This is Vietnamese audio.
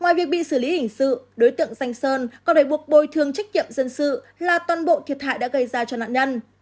ngoài việc bị xử lý hình sự đối tượng danh sơn còn phải buộc bồi thương trách nhiệm dân sự là toàn bộ thiệt hại đã gây ra cho nạn nhân